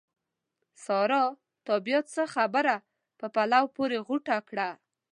سارا! تا بیا څه خبره په پلو پورې غوټه کړه؟!